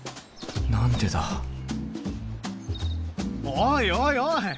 おいおいおい！